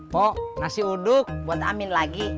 pok nasi uduk buat amin lagi